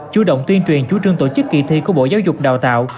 chủ động tuyên truyền chú trương tổ chức kỳ thi của bộ giáo dục đào tạo